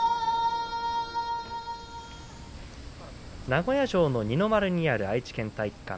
名古屋城の二の丸にある愛知県体育館。